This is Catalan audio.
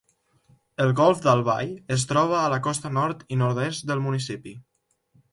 El golf d'Albay es troba a la costa nord i nord-est del municipi.